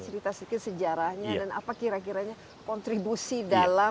cerita sedikit sejarahnya dan apa kira kiranya kontribusi dalam